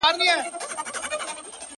چي لیدلی یې مُلا وو په اوبو کي.!